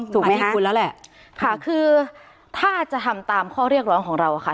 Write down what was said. ถูกมั้ยคะค่ะคือถ้าจะทำตามข้อเรียกร้องของเราค่ะ